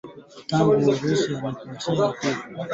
tangu Urusi ilipoivamia nchi hiyo hapo Februari ishirini na nne